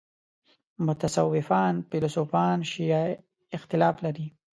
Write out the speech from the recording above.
متصوفان فیلسوفان شیعه اختلاف لري.